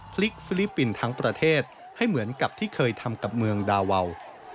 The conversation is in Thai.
ลิฟฟิลิปปินส์ทั้งประเทศให้เหมือนกับที่เคยทำกับเมืองดาวาว